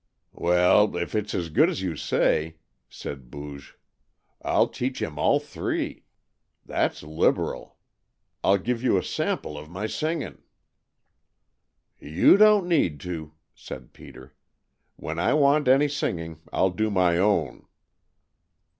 "Well, if it's as good as you say," said Booge, "I'll teach him all three. That's liberal. I'll give you a sample of my singin'." "You don't need to," said Peter. "When I want any singing, I'll do my own."